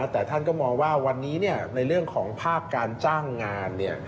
แต่ท่านก็มองว่าวันนี้ในเรื่องของภาคการจ้างงาน